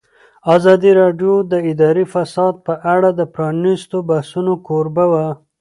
ازادي راډیو د اداري فساد په اړه د پرانیستو بحثونو کوربه وه.